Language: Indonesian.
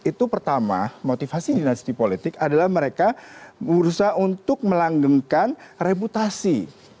itu pertama motivasi dinasti politik adalah mereka berusaha untuk melanggengkan reputasi